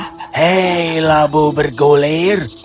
hei labu bergulir